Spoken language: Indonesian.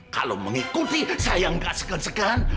kalau mengikuti saya nggak segan segan